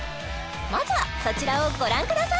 まずはそちらをご覧ください